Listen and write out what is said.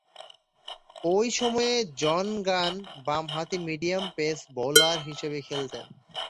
ঐ সময়ে John Gunn বামহাতি মিডিয়াম পেস বোলার হিসেবে খেলতেন।